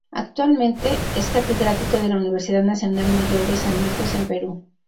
Actualmente, es catedrático de la Universidad Nacional Mayor de San Marcos en Perú.